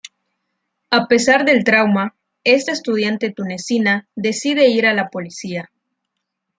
A pesar del trauma, esta estudiante tunecina decide ir a la policía.